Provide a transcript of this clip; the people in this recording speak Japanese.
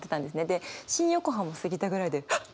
で新横浜過ぎたぐらいでハッ！